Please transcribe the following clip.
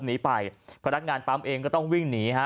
หนีไปพนักงานปั๊มเองก็ต้องวิ่งหนีฮะ